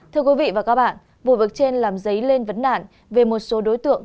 thưa quý vị và các bạn vụ vực trên làm giấy lên vấn đạn về một số đối tượng